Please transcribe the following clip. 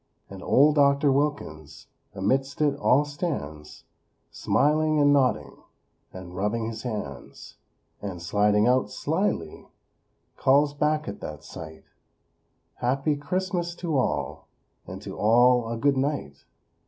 And Old Doctor Wilkins Amidst it all stands; Smiling and nodding, And rubbing his hands; And, sliding out, slyly; Calls back at that sight: "Happy Christmas to all; And to all a Good Night!"